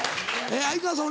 相川さん